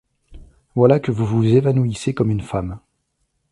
Voilà que vous vous évanouissez comme une femme.